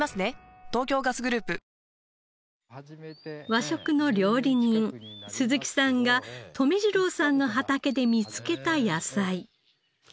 和食の料理人鈴木さんが留次郎さんの畑で見つけた野菜。